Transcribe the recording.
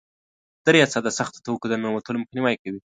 دریڅه د سختو توکو د ننوتلو مخنیوی کوي.